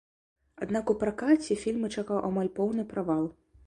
Аднак у пракаце фільмы чакаў амаль поўны правал.